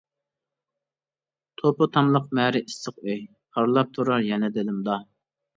توپا تاملىق مەرى ئىسسىق ئۆي، پارلاپ تۇرار يەنە دىلىمدا.